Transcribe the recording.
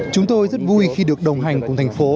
chúng tôi rất vui khi được đồng hành cùng thành phố